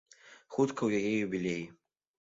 Хутка ў яе юбілей.